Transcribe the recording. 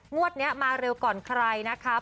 งวดนี้มาเร็วก่อนใครนะครับ